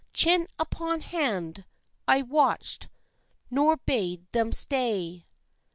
Chin upon hand, I watched, nor bade them stay.